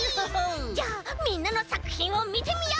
じゃあみんなのさくひんをみてみよう！